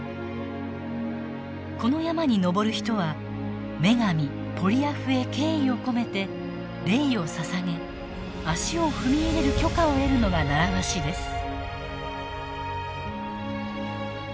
この山に登る人は女神ポリアフへ敬意を込めてレイを捧げ足を踏み入れる許可を得るのが習わしです。